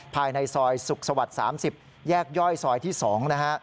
ภายในซอยสุขสวรรค์๓๐แยกย่อยซอยที่๒นะฮะ